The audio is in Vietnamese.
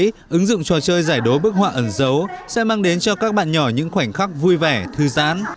ứng dụng trò chơi giải đố bức họa ẩn dấu sẽ mang đến cho các bạn nhỏ những khoảnh khắc vui vẻ thư giãn